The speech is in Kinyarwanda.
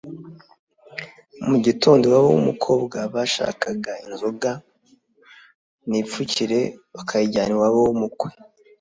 Mu gitondo, iwabo w’umukobwa bashakaga inzoga n’ipfukire bakabijyana iwabo w’umukwe